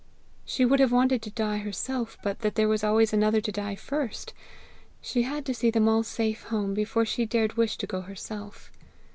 She would have wanted to die herself, but that there was always another to die first; she had to see them all safe home before she dared wish to go herself.